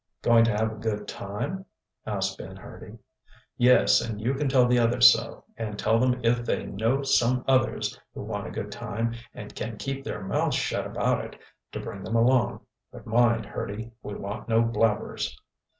"Going to have a good time?" asked Ben Hurdy. "Yes and you can tell the others so, and tell them if they know some others who want a good time, and can keep their mouths shut about it, to bring them along. But mind, Hurdy, we want no blabbers."